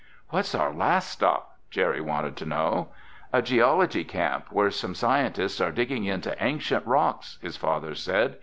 "What's our last stop?" Jerry wanted to know. "A geology camp where some scientists are digging into ancient rocks," his father said.